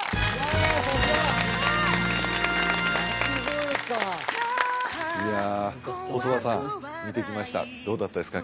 鳴き声かいや細田さん見てきましたどうだったですか？